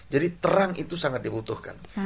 jadi terang itu sangat dibutuhkan